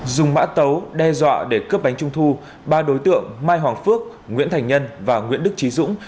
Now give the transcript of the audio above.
dùng mã tấu đe dọa để cướp bánh trung thu ba đối tượng mai hoàng phước nguyễn thành nhân và nguyễn đức trí dũng